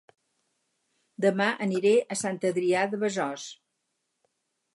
Dema aniré a Sant Adrià de Besòs